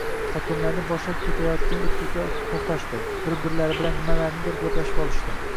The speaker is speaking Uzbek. Xotinlarni boshlab ketayotgan erkaklar to’xtashdi. Bir-biri bilan nimalarnidir gaplashib olishdi.